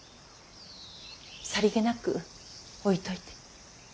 さりげなく置いといて。